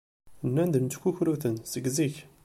Nnan-d nettkukru-ten seg zik.